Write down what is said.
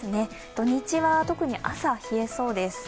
土日は特に朝、冷えそうです。